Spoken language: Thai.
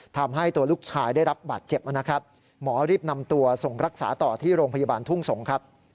ทำให้ตัวลูกชายได้รับบาดเจ็บนะครับหมอรีบนำตัวส่งรักษาต่อที่โรงพยาบาลทุ่งสงศ์ครับ